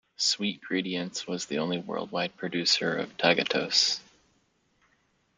SweetGredients was the only worldwide producer of tagatose.